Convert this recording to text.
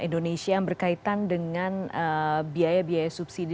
demikian terima kasih